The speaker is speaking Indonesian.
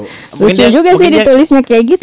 lucu juga sih ditulisnya kayak gitu